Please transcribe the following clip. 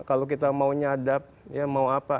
kalau kita mau nyadap ya mau apa